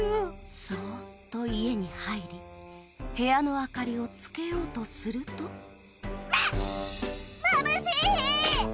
そっと家に入り部屋の明かりをつけようとするとまっまぶしい！